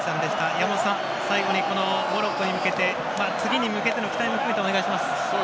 山本さん、最後にモロッコに次に向けての期待をお願いします。